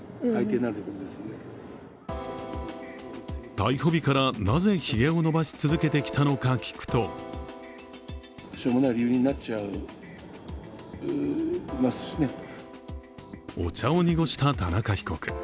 逮捕日からなぜ、ひげを伸ばし続けてきたのか聞くとお茶を濁した田中被告。